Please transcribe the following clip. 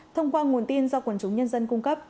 thông qua nguồn tin do quần chúng nhân dân cung cấp